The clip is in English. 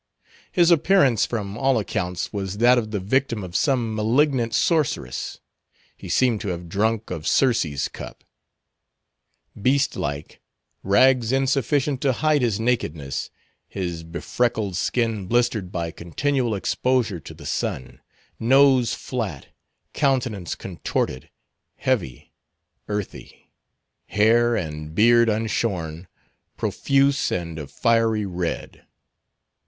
His appearance, from all accounts, was that of the victim of some malignant sorceress; he seemed to have drunk of Circe's cup; beast like; rags insufficient to hide his nakedness; his befreckled skin blistered by continual exposure to the sun; nose flat; countenance contorted, heavy, earthy; hair and beard unshorn, profuse, and of fiery red.